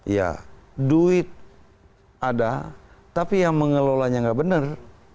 ya duit ada tapi yang mengelolanya nggak benar